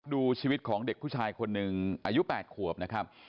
ดูชีวิตของเด็กผู้ชายคนหนึ่งอายุ๘ขวบนะครับ